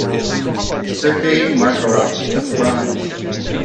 Sergey Makarov took bronze.